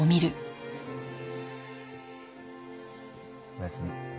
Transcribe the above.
おやすみ。